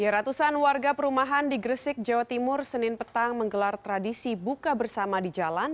ratusan warga perumahan di gresik jawa timur senin petang menggelar tradisi buka bersama di jalan